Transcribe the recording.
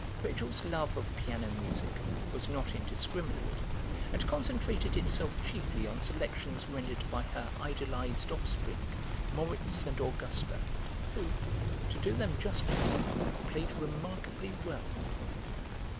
Rachel's love of piano music was not indiscriminate, and concentrated itself chiefly on selections rendered by her idolised offspring, Moritz and Augusta, who, to do them justice, played remarkably well.